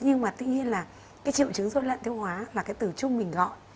nhưng mà tự nhiên là cái triệu chứng dối loạn tiêu hóa và cái từ chung mình gọi